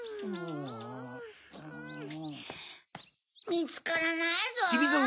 みつからないゾウ。